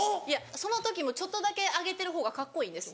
その時もちょっとだけ上げてる方がカッコいいんです。